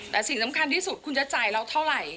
แต่สิ่งสำคัญที่สุดคุณจะจ่ายเราเท่าไหร่